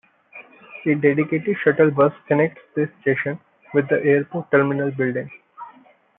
A dedicated shuttle bus connects this station with the airport terminal building.